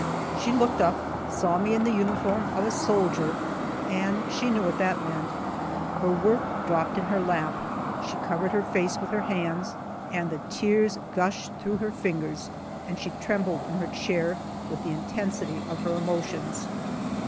She looked up, saw me in the uniform of a soldier, and she knew what that meant. Her work dropped in her lap, she covered her face with her hands, and the tears gushed through her fingers and she trembled in her chair with the intensity of her emotions.